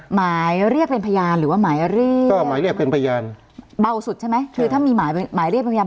หมายเรียกเป็นพยานหรือว่าหมายเรียกก็หมายเรียกเป็นพยานเบาสุดใช่ไหม